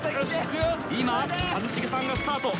今一茂さんがスタート。